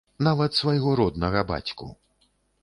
Нават свайго роднага бацьку.